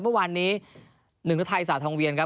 เมื่อวานนี้๑รุ่นไทยสระทองเวียนครับ